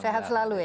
sehat selalu ya